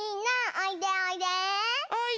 おいで！